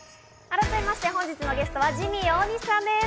改めまして本日のゲストはジミー大西さんです。